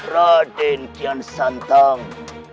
raden kian santang